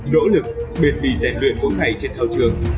nỗ lực biệt bì rèn luyện bốn ngày trên thao trường